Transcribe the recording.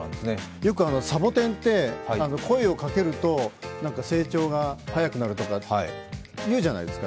よくサボテンって声をかけると成長が早くなるとか言うじゃないですか。